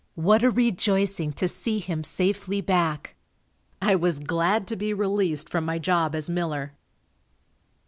What a rejoicing to see him safely back! I was glad to be released from my job as miller.